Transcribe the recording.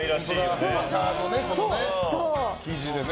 麻の生地でね。